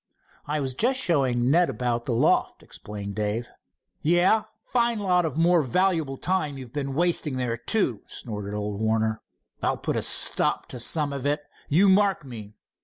"I was just showing Ned about the loft," explained Dave. "Yah! Fine lot of more valuable time you've been wasting there, too," snorted old Warner. "I'll put a stop to some of it, you mark me.